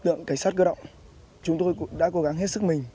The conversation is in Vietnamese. lực lượng cảnh sát cơ động chúng tôi đã cố gắng hết sức mình